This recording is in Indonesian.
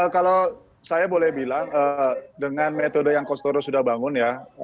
kalau saya boleh bilang dengan metode yang kostoro sudah bangun ya